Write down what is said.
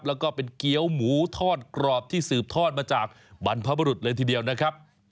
แล้วก็เป็นเกี้ยวหมูทอดกรอบที่สืบทอดมาจากบรรพบรุษเลยทีเดียวนะครับ